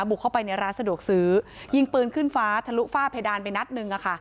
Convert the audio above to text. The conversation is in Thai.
บุกเข้าไปในร้านสะดวกซื้อยิงปืนขึ้นฟ้าทะลุฝ้าเพดานไปนัดหนึ่ง